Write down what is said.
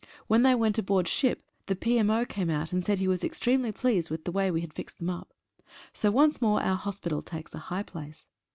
When they went aboard ship the P.M.O. came out and said he was extremely pleased with the way we had fixed them up So once more our hospital takes a high place.